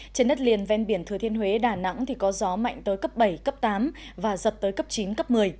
trên đất liền ven biển thừa thiên huế đà nẵng có gió mạnh tới cấp bảy cấp tám và giật tới cấp chín cấp một mươi